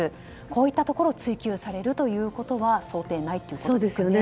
こういったところを追及されるということは想定内ということですよね。